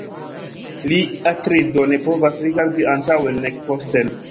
Li, Atrido, ne povas rigardi antaŭen, nek posten.